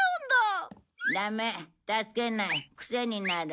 ダメ助けないクセになる。